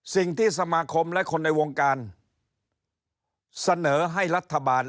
สิ่งที่สมาคมและคนในวงการเสนอให้รัฐบาล